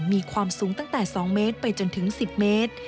มีความสูงตั้งแต่๒เมตรไปจนถึง๑๐เมตร